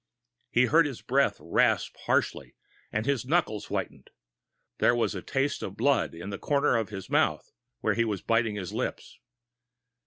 He heard his breath gasping harshly, and his knuckles whitened. There was the taste of blood in the corner of his mouth where he was biting his lips.